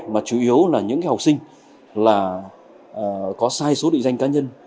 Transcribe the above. mà chủ yếu là những học sinh là có sai số định danh cá nhân